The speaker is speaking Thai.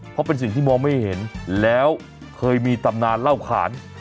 เพราะเป็นสิ่งที่มองไม่เห็นแล้วเคยมีตำนานเล่าขาน